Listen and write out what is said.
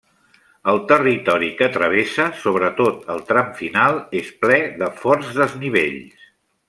El territori que travessa, sobretot el tram final, és ple de forts desnivells.